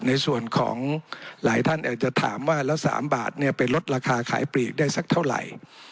ในส่วนของหลายท่านอาจจะถามว่าแล้ว๓บาทไปลดราคาขายปลีกได้สักเท่าไหร่